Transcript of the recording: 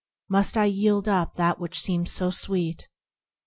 Must I yield up that which seems so sweet ?